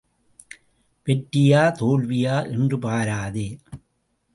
வெற்றியா தோல்வியா என்று பாராதே.